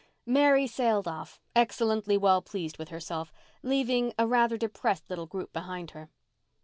Mary sailed off, excellently well pleased with herself, leaving a rather depressed little group behind her.